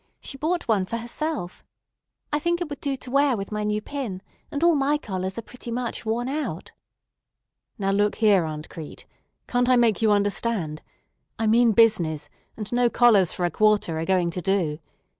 She bought one for herself. I think it would do to wear with my new pin, and all my collars are pretty much worn out." "Now look here, Aunt Crete! Can't I make you understand? I mean business, and no collars for a quarter are going to do.